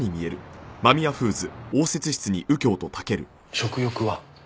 食欲は？